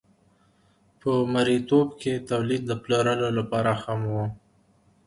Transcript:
په مرئیتوب کې تولید د پلورلو لپاره هم و.